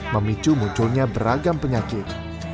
memicu munculnya beragam penyakit